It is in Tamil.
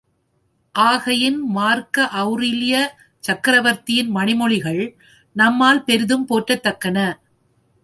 ஆகையின் மார்க்க ஒளரேலிய சக்ரவர்த்தியின் மணிமொழிகள் நம்மால் பெரிதும் போற்றத்தக்கன.